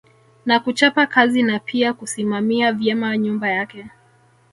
Na kuchapa kazi na pia kusimamia vyema nyumba yake